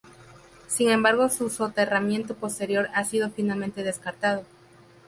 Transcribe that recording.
Sin embargo su soterramiento posterior ha sido finalmente descartado.